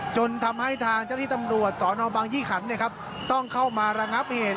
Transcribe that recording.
จนทำให้ทางเจ้าที่ตำรวจสนบังยี่ขันต้องเข้ามาระงับเหตุ